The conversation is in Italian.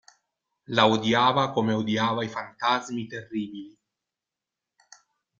La odiava come odiava i fantasmi terribili.